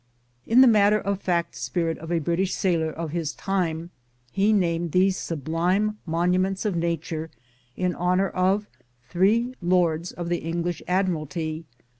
'' In the matter of fact spirit of a British sailor of his time, he named these sublime monuments of nature in honor of three lords of the English admiralty.